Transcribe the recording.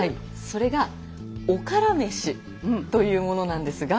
それが「おからめし」というものなんですが。